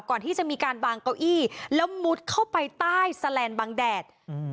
ก่อนที่จะมีการวางเก้าอี้แล้วมุดเข้าไปใต้แสลนด์บางแดดอืม